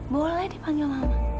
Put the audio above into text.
boleh dipanggil mama